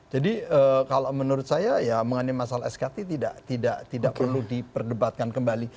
jadi kalau menurut saya ya mengenai masalah skt tidak perlu diperdebatkan kembali